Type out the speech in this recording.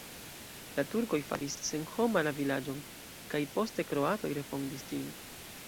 La turkoj faris senhoma la vilaĝon, poste kroatoj refondis ĝin.